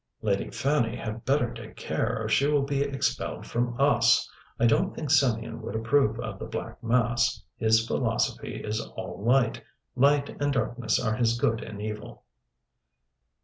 "Lady Fanny had better take care, or she will be expelled from Us. I don't think Symeon would approve of the Black Mass. His philosophy is all light. Light and darkness are his good and evil."